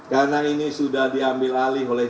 karena ini sudah diambil alih oleh